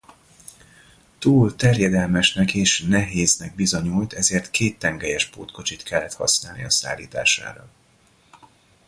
Túl terjedelmesnek és nehéznek bizonyult ezért kéttengelyes pótkocsit kellett használni a szállítására.